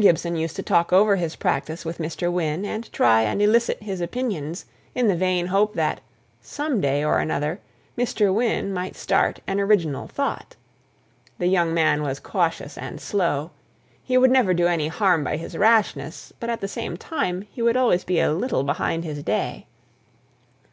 Gibson used to talk over his practice with Mr. Wynne, and try and elicit his opinions in the vain hope that, some day or another, Mr. Wynne might start an original thought. The young man was cautious and slow; he would never do any harm by his rashness, but at the same time he would always be a little behind his day.